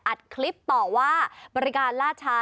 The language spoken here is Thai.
อัดคลิปต่อว่าบริการล่าช้า